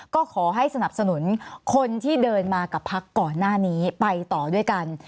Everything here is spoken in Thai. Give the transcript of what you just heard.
ก็ขอให้สนับสนุนคนที่เดินมากับพักก่อนหน้านี้ไปต่อด้วยกัน